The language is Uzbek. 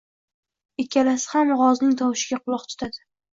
Ikkalasi ham g‘ozning tovushiga quloq tutadi.